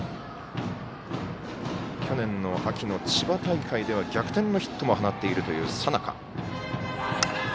去年の秋の千葉大会では逆転のヒットも放っているという佐仲。